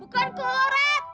bukan kolor red